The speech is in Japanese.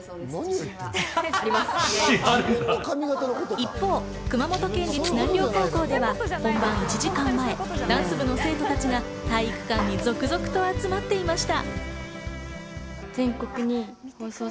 一方、熊本県立南稜高校では本番１時間前、ダンス部の生徒たちが体育館に続々と集まっていました。